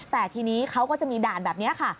แต่ทีนี้เขาก็จะมีด่านแบบนี้ค่ะ